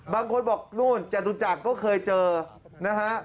บางคนบอกนู่นจตุจักรก็เคยเจอนะฮะ